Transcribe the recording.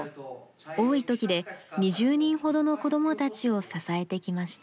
多いときで２０人ほどの子どもたちを支えてきました。